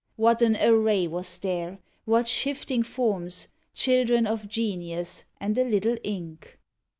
What an array was there ! What shifting forms, Children of genius and a little ink!